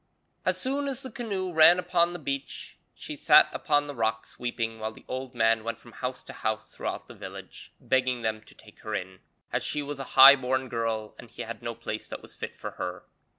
As soon as the canoe ran upon the beach she sat upon the rocks weeping while the old man went from house to house throughout the village, begging them to take her in, as she was a high born girl and he had no place that was fit for her.